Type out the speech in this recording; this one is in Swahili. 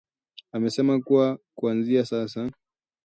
amesema kuwa kuanzia sasa